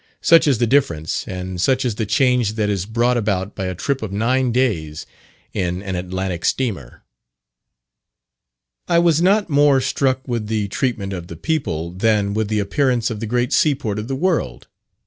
Such is the difference, and such is the change that is brought about by a trip of nine days in an Atlantic steamer. I was not more struck with the treatment of the people, than with the appearance of the great seaport of the world.